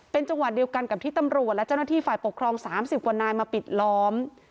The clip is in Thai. เป็นจังหวัดเดียวกันกับที่ตำรวจและเจ้าหน้าที่ฝ่ายปกครอง๓๐กว่านายมาปิดล้อม